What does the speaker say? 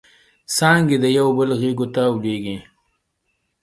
څانګې د یوبل غیږو ته لویږي